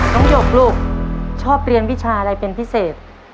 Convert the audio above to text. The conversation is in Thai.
หยกลูกชอบเรียนวิชาอะไรเป็นพิเศษ